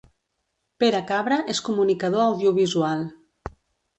Pere Cabra és comunicador audiovisual.